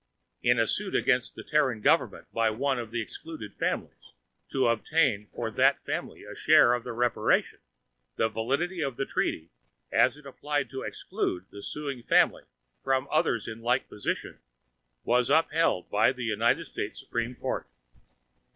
In a suit against the Terran government by one of the excluded families, to obtain for that family a share of the reparation, the validity of the treaty, as it applied to exclude the suing family and others in like position, was upheld by the United States Supreme Court.